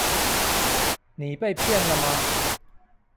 你被騙了嗎？